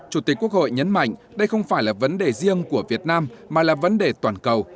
chủ tịch quốc hội nhấn mạnh đây không phải là vấn đề riêng của việt nam mà là vấn đề toàn cầu